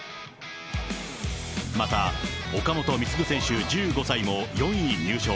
また、岡本碧優選手１５歳も４位入賞。